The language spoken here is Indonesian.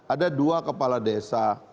ada dua kepala desa